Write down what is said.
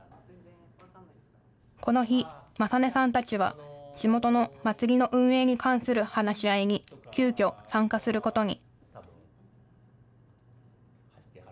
この日、理音さんたちは、地元の祭りの運営に関する話し合いに、急きょ、参加することに。